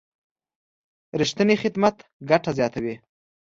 رښتینی خدمت ګټه زیاتوي.